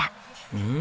うん。